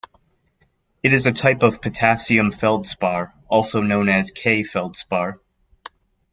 It is a type of potassium feldspar, also known as K-feldspar.